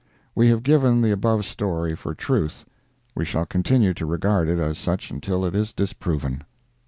We have given the above story for truth—we shall continue to regard it as such until it is disproven.